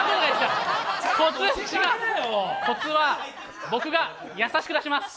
コツは僕が優しく出します！